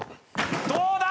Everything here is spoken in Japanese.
どうだ？